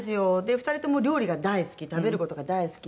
２人とも料理が大好き食べる事が大好きなので。